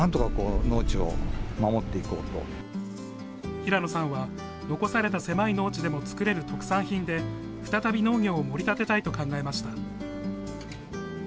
平野さんは、残された狭い農地でも作れる特産品で再び農業を盛り立てたいと考えました。